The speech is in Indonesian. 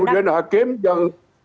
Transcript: nah kemudian hakim yang